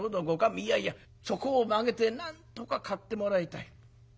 「いやいやそこを曲げてなんとか買ってもらいたい。